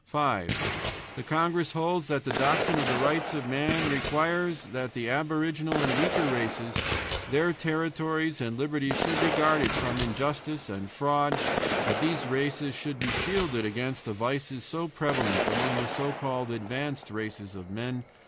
"5. The congress holds that the doctrine of the Rights of Man requires that the aboriginal and weaker races, their territories and liberties, shall be guarded from injustice and fraud, and that these races shall be shielded against the vices so prevalent among the so called advanced races of men.